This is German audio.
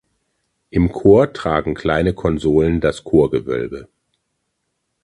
Im Chor tragen kleine Konsolen das Chorgewölbe.